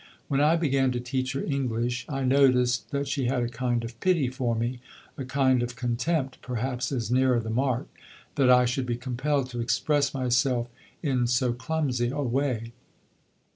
When I began to teach her English I noticed that she had a kind of pity for me, a kind of contempt perhaps is nearer the mark, that I should be compelled to express myself in so clumsy a way.